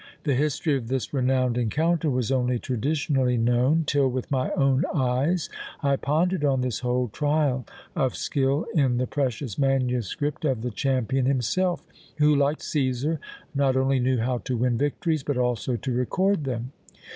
The history of this renowned encounter was only traditionally known, till with my own eyes I pondered on this whole trial of skill in the precious manuscript of the champion himself; who, like Cæsar, not only knew how to win victories, but also to record them.